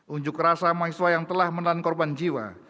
unjuk rasa mahasiswa yang telah menahan korban jiwa